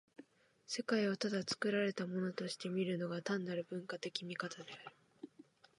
世界をただ作られたものとして見るのが、単なる文化的見方である。